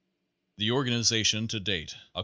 The organization to date Oct.